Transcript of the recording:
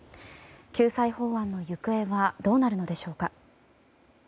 救済法案の行方はどうなるのでしょうか。